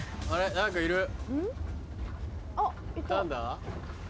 何だ？